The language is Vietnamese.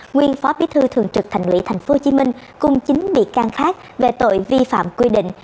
nguyên phó bí thư thường trực thành ủy tp hcm cùng chín bị can khác về tội vi phạm quy định